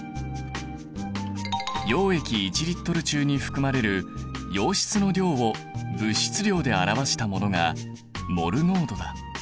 溶液１Ｌ中に含まれる溶質の量を物質量で表したものがモル濃度だ。